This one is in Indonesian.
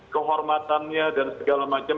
kehormatannya dan segala macam